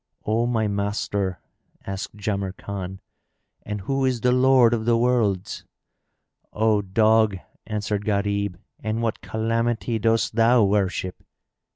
"O my master," asked Jamrkan, "and who is the Lord of the Worlds?" "O dog," answered Gharib, "and what calamity dost thou worship?"